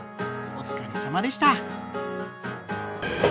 お疲れさまでした！